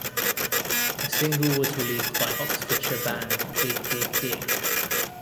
A single was released by Oxfordshire band Dig Dig Dig.